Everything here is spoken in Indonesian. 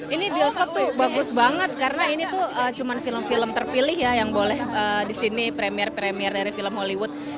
ini bioskop tuh bagus banget karena ini tuh cuma film film terpilih ya yang boleh disini premier premier dari film hollywood